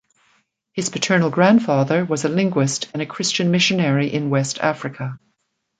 His paternal grandfather was a linguist and a Christian missionary in West Africa.